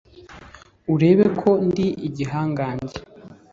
Urebe ko ndi igihangange